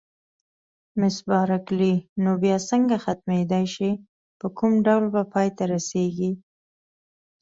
مس بارکلي: نو بیا څنګه ختمېدای شي، په کوم ډول به پای ته رسېږي؟